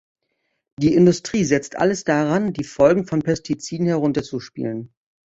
Die Industrie setzt alles daran, die Folgen von Pestiziden herunterzuspielen.